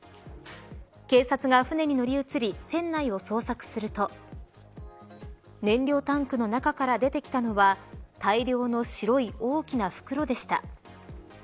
警察が船に乗り移り船内を捜索すると燃料タンクの中から出てきたのは大量の白い大きな袋でした。